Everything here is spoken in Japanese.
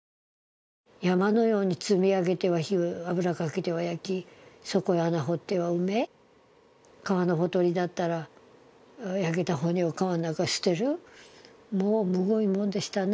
山のように積み上げては油かけては焼きそこに穴を掘っては埋め、川のほとりだったら焼けた骨を川の中に捨てる、もう、むごいもんでしたね。